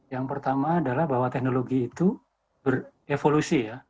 yang pertama adalah bahwa teknologi itu berevolusi ya